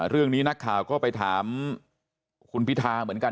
เรื่องนี้นักข่าก็ไปถามคุณพิธาเหมือนกันนักข่าวก็ไปถามคุณพิธาเหมือนกัน